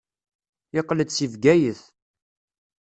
Yeqqel-d seg Bgayet.